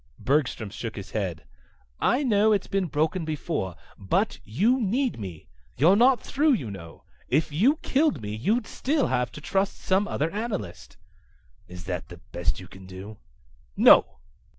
Bergstrom shook his head. "I know it's been broken before. But you need me. You're not through, you know. If you killed me you'd still have to trust some other analyst." "Is that the best you can do?" "No."